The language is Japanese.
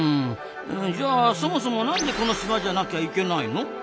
うんじゃあそもそもなんでこの島じゃなきゃいけないの？